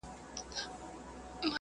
د عصري ژوند پر لور حرکت پيل شوی دی.